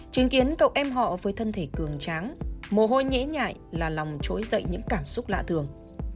chứng kiến cậu em họ với thân thể cường tráng mồ hôi nhĩ nhại là lòng trỗi dậy những cảm xúc lạ thường